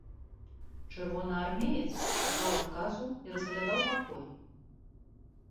Чырвонаармеец чакаў адказу і разглядаў пакой.